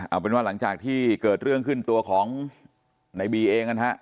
เอาเป็นว่าหลังจากที่เกิดเรื่องขึ้นตัวของในบีเองนะฮะ